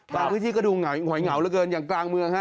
พื้นที่ก็ดูหอยเหงาเหลือเกินอย่างกลางเมืองฮะ